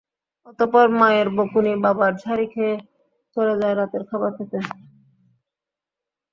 অতঃপর মায়ের বকুনি, বাবার ঝাড়ি খেয়ে চলে যায় রাতের খাবার খেতে।